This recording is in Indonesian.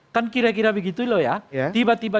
kan kira kira begitu loh ya tiba tiba